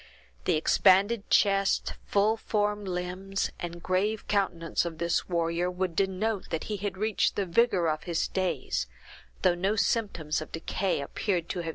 The expanded chest, full formed limbs, and grave countenance of this warrior, would denote that he had reached the vigor of his days, though no symptoms of decay appeared to have yet weakened his manhood.